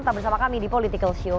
sampai bersama kami di politikalshow